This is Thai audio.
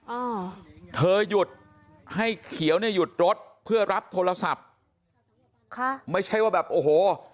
อ่าเธอหยุดให้เขียวเนี่ยหยุดรถเพื่อรับโทรศัพท์ค่ะไม่ใช่ว่าแบบโอ้โห